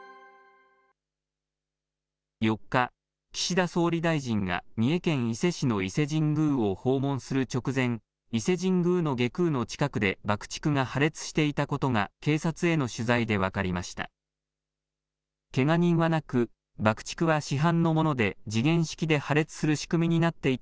４日、岸田総理大臣が三重県伊勢市の伊勢神宮を訪問する直前、伊勢神宮の外宮の近くで爆竹が破裂していたことが、警察への取材で分かりました。